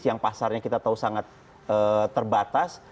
yang pasarnya kita tahu sangat terbatas